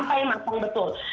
supaya masang betul